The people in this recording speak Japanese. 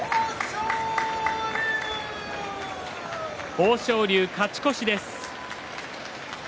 豊昇龍、勝ち越しです。